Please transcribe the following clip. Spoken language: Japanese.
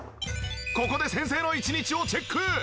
ここで先生の１日をチェック！